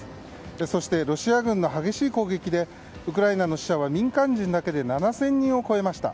そして、ロシア軍の激しい攻撃でウクライナの死者は民間人だけで７０００人を超えました。